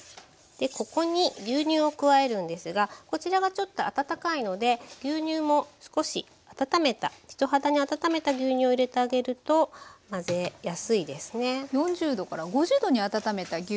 ここに牛乳を加えるんですがこちらがちょっと温かいので牛乳も少し温めた人肌に温めた牛乳を入れてあげると混ぜやすいですね。